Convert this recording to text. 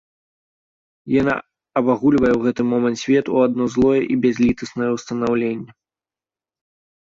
Яна абагульвае ў гэты момант свет у адно злое і бязлітаснае ўстанаўленне.